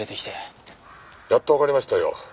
やっとわかりましたよ。